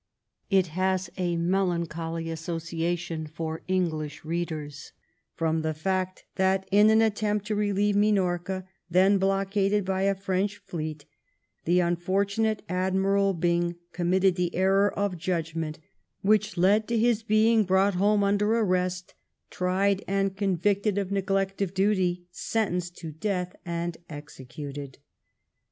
It has a melancholy association for English readers from the fact that in an attempt to relieve Minorca, then blockaded by a French fleet, the unfortunate Admiral Byng committed the error of judgment which led to his being brought home under arrest, tried, and convicted of neglect of duty, sentenced to death and executed.